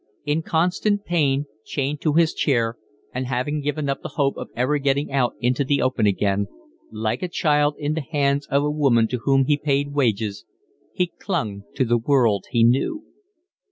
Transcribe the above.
In constant pain, chained to his chair and having given up the hope of ever getting out into the open again, like a child in the hands of a woman to whom he paid wages, he clung to the world he knew.